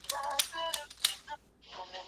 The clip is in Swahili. a sifuri tatu mbili moja nane mbili